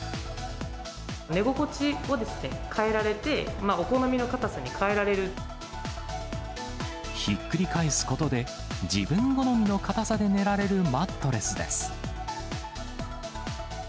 寝心地を変えられて、お好みひっくり返すことで、自分好みの硬さで寝られるマットレスです。